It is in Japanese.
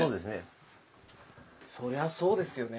そりゃそうですよね。